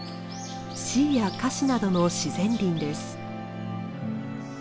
シイやカシなどの自然林です。